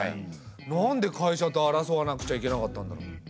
なんで会社と争わなくちゃいけなかったんだろう？